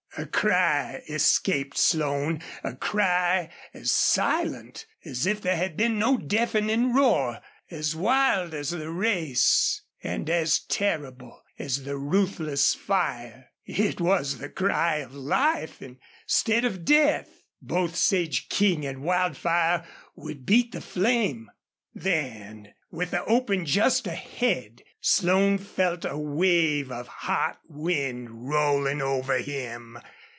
A cry escaped Slone a cry as silent as if there had been no deafening roar as wild as the race, and as terrible as the ruthless fire. It was the cry of life instead of death. Both Sage King and Wildfire would beat the flame. Then, with the open just ahead, Slone felt a wave of hot wind rolling over him.